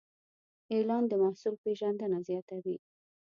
اعلان د محصول پیژندنه زیاتوي.